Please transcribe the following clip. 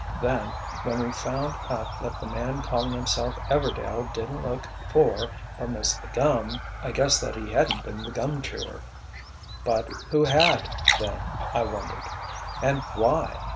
Then, when we found out that the man calling himself 'Everdail' didn't look for or miss the gum, I guessed that he hadn't been the gum chewer—but who had, then, I wondered. And why.